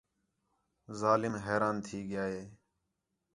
ظالم حیران تھی ڳِیا ہِے